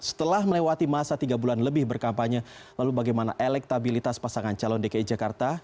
setelah melewati masa tiga bulan lebih berkampanye lalu bagaimana elektabilitas pasangan calon dki jakarta